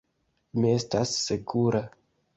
Mi estas sekura.